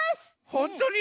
ほんとに？